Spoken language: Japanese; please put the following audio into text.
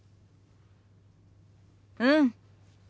うん。